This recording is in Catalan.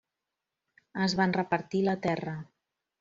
Es van repartir la terra.